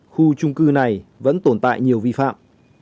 khu trung cư này vẫn tồn tại nhiều vi phạm